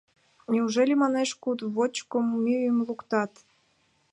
— Неужели, манеш куд в-вочко мӱйым луктат?